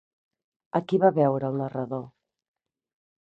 A qui va veure el narrador?